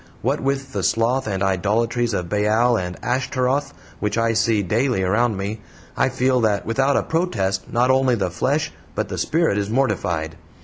What with the sloth and idolatries of Baal and Ashteroth, which I see daily around me, I feel that without a protest not only the flesh but the spirit is mortified.